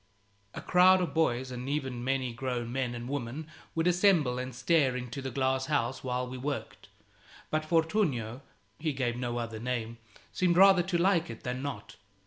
A crowd of boys and even many grown men and women would assemble and stare into the glass house while we worked; but Fortunio (he gave no other name) seemed rather to like it than not.